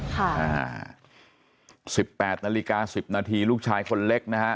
ค่ะอ่าสิบแปดนาฬิกาสิบนาทีลูกชายคนเล็กนะฮะ